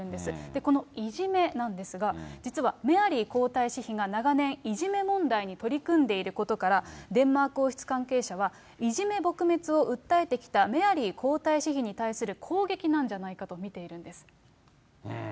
このいじめなんですが、実はメアリー皇太子妃が長年いじめ問題に取り組んでいることから、デンマーク王室関係者はいじめ撲滅を訴えてきたメアリー皇太子妃に対する攻撃なんじゃないかと見ているんです。